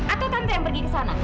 atau tante yang pergi ke sana